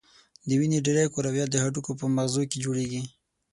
د وینې ډېری کرویات د هډوکو په مغزو کې جوړیږي.